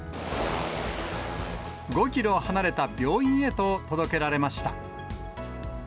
５キロ離れた病院へと届けられました。